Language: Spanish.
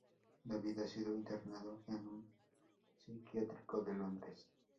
David ha sido internado en un psiquiátrico de Londres.